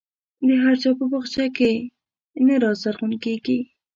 د هر چا په باغچه کې نه رازرغون کېږي.